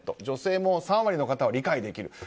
女性も３割の方は理解できる。